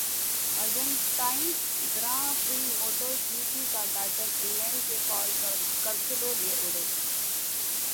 Argentine grand prix MotoGP کا title England کے Cal Crutchlow لے اڑے